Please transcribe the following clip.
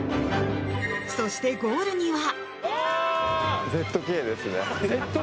そしてゴールには。